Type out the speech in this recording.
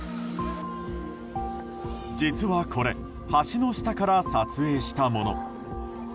実はこれ、橋の下から撮影したもの。